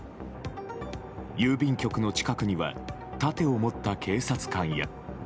郵便局の近くには盾を持った警察官や。